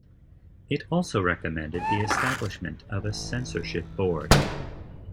It also recommended the establishment of a censorship board.